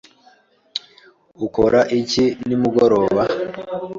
Ukora iki nimugoroba?